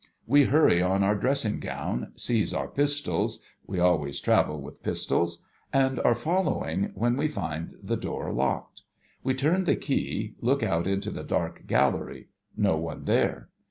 We hurry on our dressing gown, seize our pistols (we always travel with pistols), and are following, when we find the door locked. \Vc turn the key, look out into the dark gallery ; no one there.